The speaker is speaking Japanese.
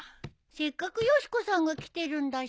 せっかくよし子さんが来てるんだし。